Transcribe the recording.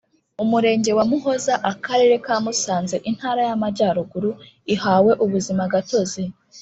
Umurenge wa Muhoza akarere ka Musanze intara y’Amajyaruguru ihawe ubuzimagatozi